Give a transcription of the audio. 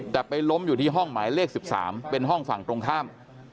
แต่ไปล้มอยู่ที่ห้องหมายเลข๑๓เป็นห้องฝั่งตรงข้าม